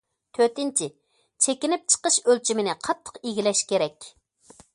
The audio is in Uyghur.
تۆتىنچى، چېكىنىپ چىقىش ئۆلچىمىنى قاتتىق ئىگىلەش كېرەك.